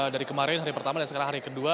dari kemarin hari pertama dan sekarang hari kedua